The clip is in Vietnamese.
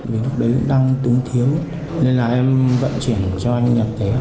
vì lúc đấy cũng đang túng thiếu nên là em vận chuyển cho anh nhật đấy